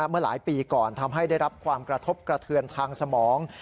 เมื่อหลายปีก่อนทำให้ได้รับความกระทบกระเทือนทางสมอง